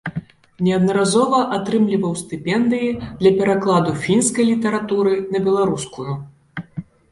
Неаднаразова атрымліваў стыпендыі для перакладу фінскай літаратуры на беларускую.